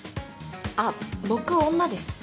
あっ僕女です。